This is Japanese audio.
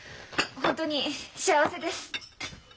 本当に幸せです。